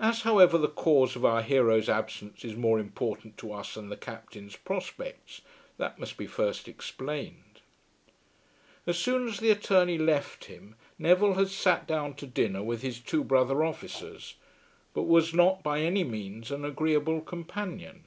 As, however, the cause of our hero's absence is more important to us than the Captain's prospects that must be first explained. As soon as the attorney left him Neville had sat down to dinner with his two brother officers, but was not by any means an agreeable companion.